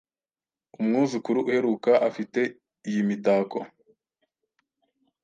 Umwuzukuru uheruka afite iyi mitako